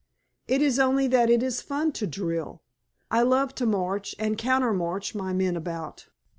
It is only that it is fun to drill. I love to march and counter march my men about."